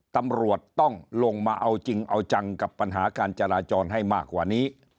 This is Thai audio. ตำรวจต้องลงมาเอาจริงเอาจังกับปัญหาการจราจรให้มากกว่านี้